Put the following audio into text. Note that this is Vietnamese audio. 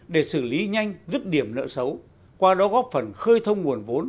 để xử lý nhanh dứt điểm nợ xấu qua đó góp phần khơi thông nguồn vốn